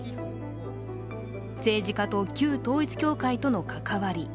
政治家と旧統一教会との関わり。